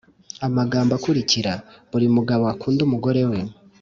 amagambo akurikira, buri mugabo akunde umugore we